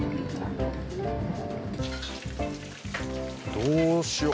どうしよう。